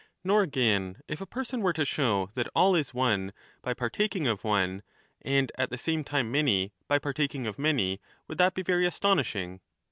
Nor, again, if a person were to show that all is one by partaking of one, and at the same time many by partaking of many, would that be very astonishing.